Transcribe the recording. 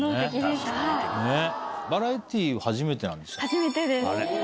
初めてです。